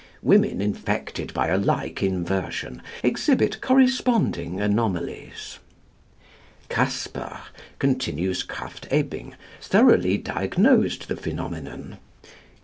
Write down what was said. Women infected by a like inversion, exhibit corresponding anomalies. Casper, continues Krafft Ebing, thoroughly diagnosed the phenomenon.